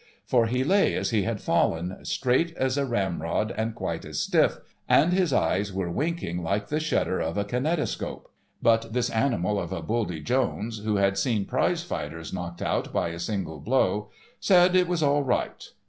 For he lay as he had fallen, straight as a ramrod and quite as stiff, and his eyes were winking like the shutter of a kinetoscope. But "This Animal of a Buldy Jones," who had seen prize fighters knocked out by a single blow, said it was all right.